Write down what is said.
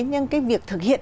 nhưng cái việc thực hiện